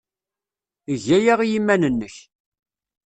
Eg aya i yiman-nnek.